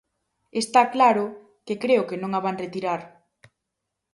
Está claro que creo que non a van retirar.